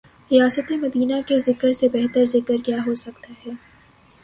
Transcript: ریاست مدینہ کے ذکر سے بہترذکر کیا ہوسکتاہے۔